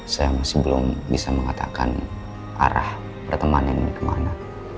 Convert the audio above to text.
saya masih belum bisa mengatakan arah pertemanan ini kemana